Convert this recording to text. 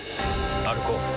歩こう。